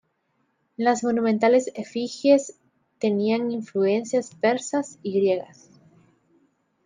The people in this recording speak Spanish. Las monumentales efigies tenían influencias persas y griegas.